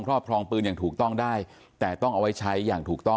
รอบครองปืนอย่างถูกต้องได้แต่ต้องเอาไว้ใช้อย่างถูกต้อง